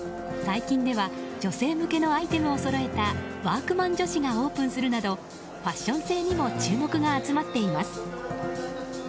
最近では女性向けのアイテムをそろえたワークマン女子がオープンするなどファッション性にも注目が集まっています。